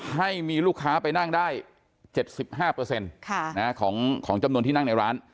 ให้มีลูกค้าไปนั่งได้๗๕ของจำนวนที่นั่งในร้าน